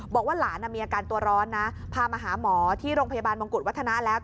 บอกว่าหลานมีอาการตัวร้อนนะพามาหาหมอที่โรงพยาบาลมงกุฎวัฒนะแล้ว